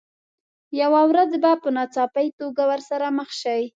یوه ورځ به په ناڅاپي توګه ورسره مخ شئ.